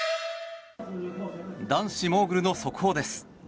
男子モーグルの速報です。